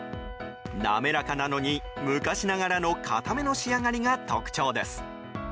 滑らかなのに、昔ながらの硬めの仕上がりが特徴です。